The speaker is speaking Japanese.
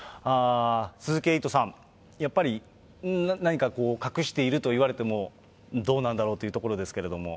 鈴木エイトさん、やっぱり何かこう、隠しているといわれてもどうなんだろうというところですけど。